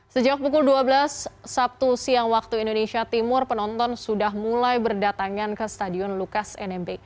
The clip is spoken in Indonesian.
sejak pukul dua belas sabtu siang waktu indonesia timur penonton sudah mulai berdatangan ke stadion lukas nmb